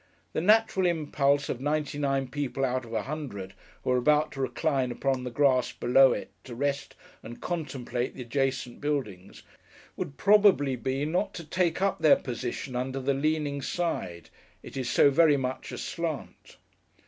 The natural impulse of ninety nine people out of a hundred, who were about to recline upon the grass below it, to rest, and contemplate the adjacent buildings, would probably be, not to take up their position under the leaning side; it is so very much aslant.